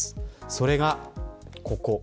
それが、ここ。